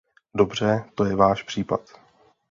Dobře, to je váš případ.